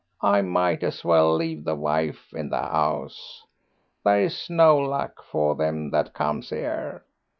I might as well leave the wife in the 'ouse. There's no luck for them that comes 'ere."